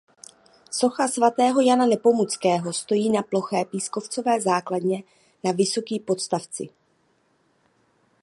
Socha svatého Jana Nepomuckého stojí na ploché pískovcové základně na vysoký podstavci.